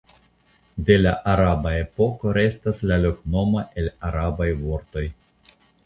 De la araba epoko restas la loknomo el arabaj vortoj.